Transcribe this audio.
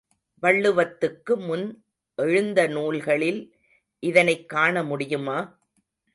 வள்ளுவத்துக்கு முன் எழுந்த நூல்களில் இதனைக் காண முடியுமா?